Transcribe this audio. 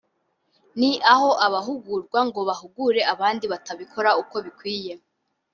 ni aho abahugurwa ngo bahugure abandi batabikora uko bikwiye